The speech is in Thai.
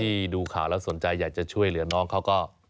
ดูข่าวแล้วสนใจอยากจะช่วยเหลือน้องเขาก็